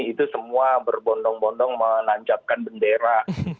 itu semua berbondong bondong menancapkan bendera